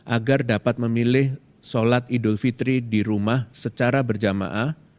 agar dapat memilih sholat idul fitri di rumah secara berjamaah